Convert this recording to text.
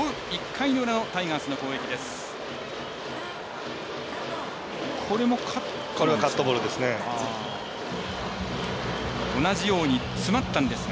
１回裏のタイガースの攻撃です。